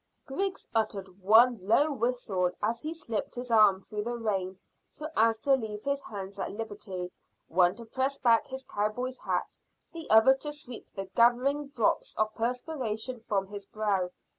Griggs uttered one low whistle as he slipped his arm through the rein so as to leave his hands at liberty, one to press back his cowboy's hat, the other to sweep the gathering drops of perspiration from his brow.